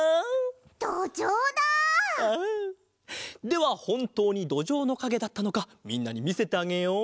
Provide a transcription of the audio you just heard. ではほんとうにどじょうのかげだったのかみんなにみせてあげよう！